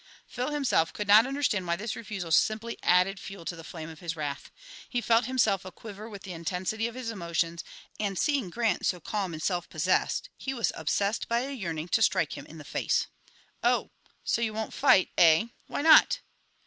Phil himself could not understand why this refusal simply added fuel to the flame of his wrath. He felt himself a quiver with the intensity of his emotions, and, seeing Grant so calm and self possessed, he was obsessed by a yearning to strike him in the face. "Oh, so you won't fight, eh? Why not?"